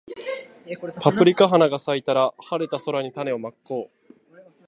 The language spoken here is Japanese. パプリカ花が咲いたら、晴れた空に種をまこう